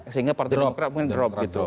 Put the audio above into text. sehingga partai demokrat mungkin drop gitu